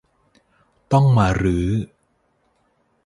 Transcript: ต้องมารื้อ